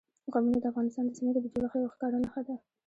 قومونه د افغانستان د ځمکې د جوړښت یوه ښکاره نښه ده.